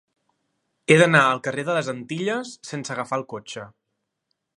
He d'anar al carrer de les Antilles sense agafar el cotxe.